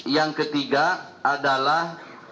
yang ketiga adalah